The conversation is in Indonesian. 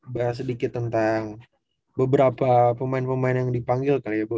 bahas sedikit tentang beberapa pemain pemain yang dipanggil kali ya bu